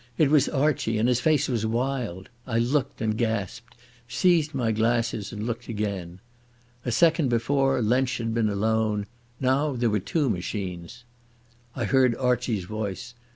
It was Archie and his face was wild. I looked and gasped—seized my glasses and looked again. A second before Lensch had been alone; now there were two machines. I heard Archie's voice.